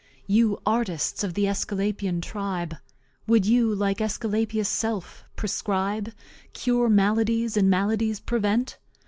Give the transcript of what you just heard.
You Artists of the AEsculapian Tribe, Wou'd you, like AEsculapius's Self, Prescribe, Cure Maladies, and Maladies prevent?